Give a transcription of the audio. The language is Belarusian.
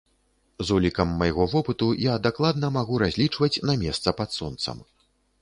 З улікам майго вопыту я дакладна магу разлічваць на месца пад сонцам!